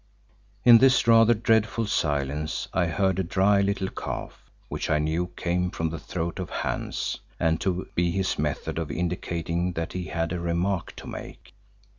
In this rather dreadful silence I heard a dry little cough, which I knew came from the throat of Hans, and to be his method of indicating that he had a remark to make.